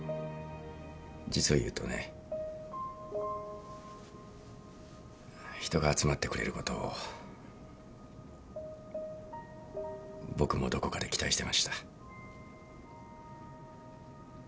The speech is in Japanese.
実を言うとね人が集まってくれることを僕もどこかで期待してました。